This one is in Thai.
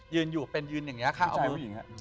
ยืนอยู่เป็นยืนอย่างนี้ค่ะ